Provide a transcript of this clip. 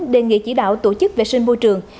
đề nghị chỉ đạo tổ chức vệ sinh môi trường